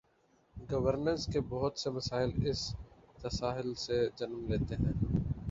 Governance کے بہت سے مسائل اس تساہل سے جنم لیتے ہیں۔